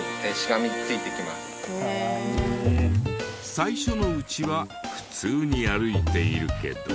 最初のうちは普通に歩いているけど。